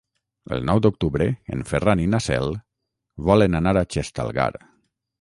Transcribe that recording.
El nou d'octubre en Ferran i na Cel volen anar a Xestalgar.